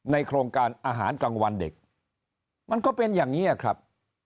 โครงการอาหารกลางวันเด็กมันก็เป็นอย่างนี้ครับ